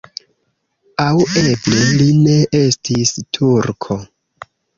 Aŭ eble li ne estis turko.